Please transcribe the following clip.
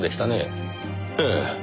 ええ。